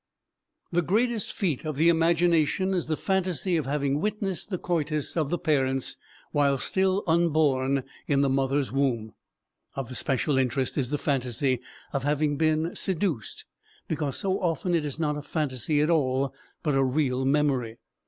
The greatest feat of the imagination is the phantasy of having witnessed the coitus of the parents while still unborn in the mother's womb. Of especial interest is the phantasy of having been seduced, because so often it is not a phantasy at all, but a real memory.